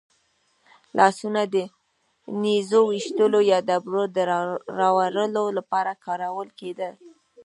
لاسونه د نېزو ویشتلو یا ډبرو د وارولو لپاره کارول کېدل.